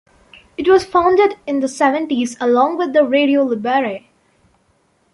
It was founded in the seventies, along with the "Radio libere".